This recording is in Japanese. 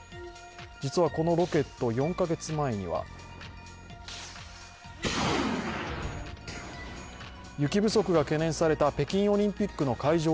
実はこのロケット、４カ月前には雪不足が懸念された北京オリンピックの会場